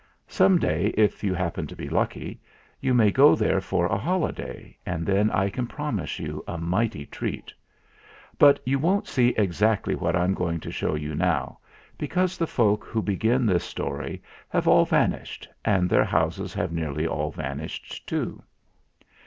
Some day, if you hap pen to be lucky, you may go there for a holi day, and then I can promise you a mighty treat. But you won't see exactly what I'm going to show you now, because the folk who begin this story have all vanished and their houses have nearly all vanished too.